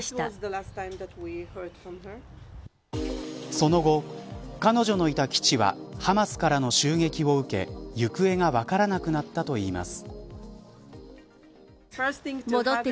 その後、彼女のいた基地はハマスからの襲撃を受け行方が分からなくなったといいます。